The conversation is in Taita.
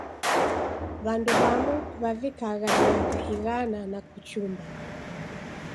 W'andu w'amu w'avikagha miaka ighana na kuchumba.